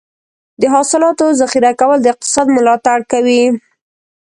د حاصلاتو ذخیره کول د اقتصاد ملاتړ کوي.